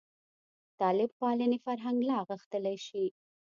طالب پالنې فرهنګ لا غښتلی شي.